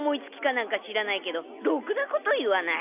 何か知らないけどろくなこと言わない。